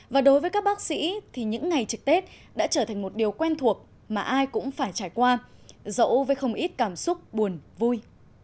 và đối với các bác sĩ thì những ngày trực tết đã trở thành một điều quen thuộc mà ai cũng phải trải qua dẫu với không ít cảm xúc buồn vui